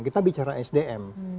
kita bicara sdm